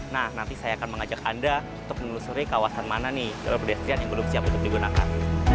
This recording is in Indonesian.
nah nanti saya akan mengajak anda untuk menelusuri kawasan mana nih jalur pedestrian yang belum siap untuk digunakan